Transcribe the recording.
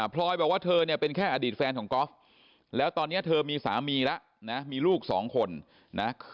พลอยบอกว่าเธอเนี่ยเป็นแค่อดีตแฟนของก๊อฟแล้วตอนนี้เธอมีสามีแล้วนะมีลูกสองคนนะ